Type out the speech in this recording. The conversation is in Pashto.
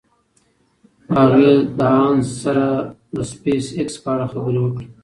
هغې له هانس سره د سپېساېکس په اړه خبرې وکړې.